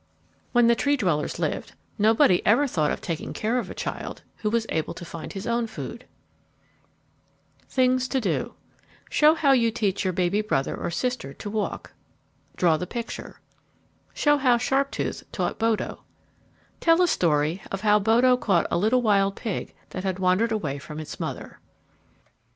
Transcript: When the Tree dwellers lived nobody ever thought of taking care of a child who was able to find his own food. [Illustration: "Bodo caught a pig without any help"] THINGS TO DO Show how you teach your baby brother or sister to walk. Draw the picture. Show how Sharptooth taught Bodo. _Tell a story of how Bodo caught a little wild pig that had wandered away from its mother.